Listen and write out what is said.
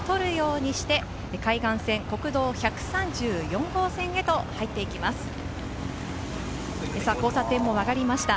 今、カーブを右に取るようにして海岸線、国道１３４号線へと入ってきます。